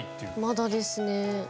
まだですね。